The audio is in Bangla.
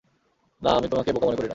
না, আমি তোমাকে বোকা মনে করি না।